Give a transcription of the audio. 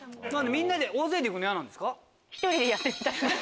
みんなで大勢で行くの嫌なんですか？